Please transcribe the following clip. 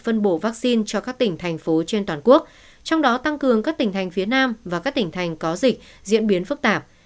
bộ y tế đã phân bộ sáu mươi chín đợt vaccine cho các tỉnh thành phố trên toàn quốc trong đó tăng cường các tỉnh thành phía nam và các tỉnh thành có dịch diễn biến phức tạp